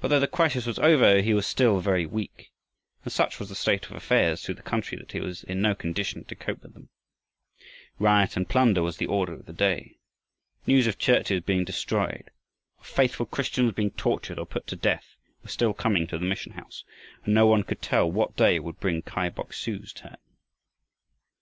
But though the crisis was over, he was still very weak, and such was the state of affairs through the country that he was in no condition to cope with them. Riot and plunder was the order of the day. News of churches being destroyed, of faithful Christians being tortured or put to death, were still coming to the mission house, and no one could tell what day would bring Kai Boksu's turn.